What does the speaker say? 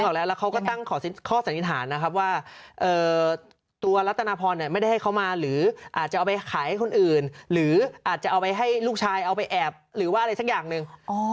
ออกแล้วแล้วเขาก็ตั้งข้อสันนิษฐานนะครับว่าตัวรัตนาพรไม่ได้ให้เขามาหรืออาจจะเอาไปขายให้คนอื่นหรืออาจจะเอาไปให้ลูกชายเอาไปแอบหรือว่าอะไรสักอย่างหนึ่ง